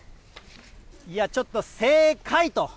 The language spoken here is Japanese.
いやちょっと、正解と。